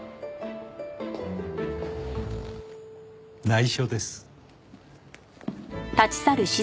内緒です。